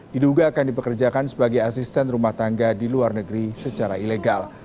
diduga akan dipekerjakan sebagai asisten rumah tangga di luar negeri secara ilegal